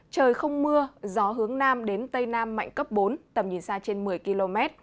trời không mưa gió hướng nam đến tây nam mạnh cấp bốn tầm nhìn xa trên một mươi km